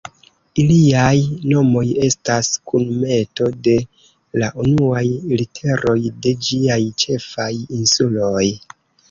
Iliaj nomoj estas kunmeto de la unuaj literoj de ĝiaj ĉefaj insuloj.